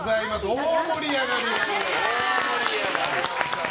大盛り上がりです。